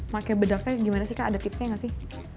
pake bedaknya gimana sih kak ada tipsnya gak sih